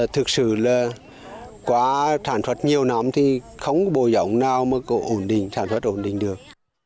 thực sự là quá sản xuất nhiều lắm thì không có bộ giọng nào mà có ổn định sản xuất ổn định được